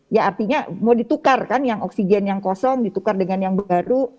ya artinya mau ditukar kan yang oksigen yang kosong ditukar dengan yang baru